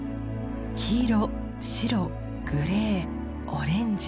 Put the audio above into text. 黄色白グレーオレンジ。